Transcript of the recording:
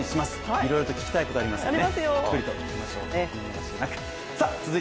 いろいろと聞きたいことありますよね。